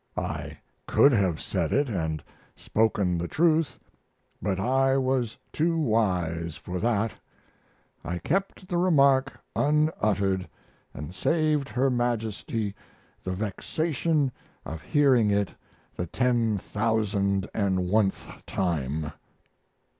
I could have said it and spoken the truth, but I was too wise for that. I kept the remark unuttered and saved her Majesty the vexation of hearing it the ten thousand and oneth time.